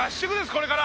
これから。